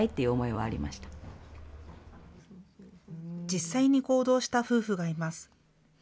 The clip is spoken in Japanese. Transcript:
実際に行動した夫婦がいます。